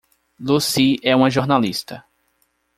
Lucy é uma jornalista.